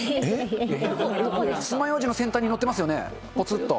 つまようじの先端に乗ってますよね、ぽつっと。